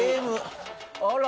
あら。